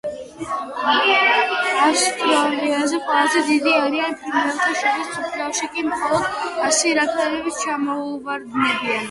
ავსტრალიაზე ყველაზე დიდები არიან ფრინველთა შორის, მსოფლიოში კი მხოლოდ სირაქლემებს ჩამოუვარდებიან.